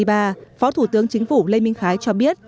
phó thủ tướng chính phủ lê minh khái cho biết